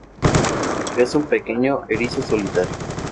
Es un pequeño erizo solitario.